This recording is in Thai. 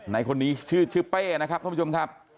ไหนคนนี้ชื่อเป้ของผู้ชมครับ